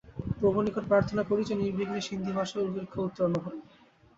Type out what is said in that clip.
প্রভুর নিকট প্রার্থনা করি যে, নির্বিঘ্নে সিন্ধি-ভাষা পরীক্ষায় উত্তীর্ণ হও।